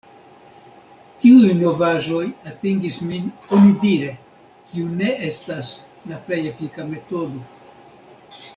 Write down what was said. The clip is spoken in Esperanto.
Tiuj novaĵoj atingis min “onidire”, kiu ne estas la plej efika metodo.